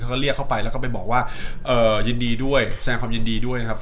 เขาเรียกเข้าไปแล้วก็ไปบอกว่ายินดีด้วยแสดงความยินดีด้วยนะครับ